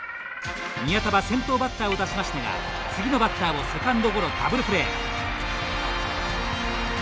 宮田は先頭バッターを出しましたが次のバッターをセカンドゴロダブルプレー。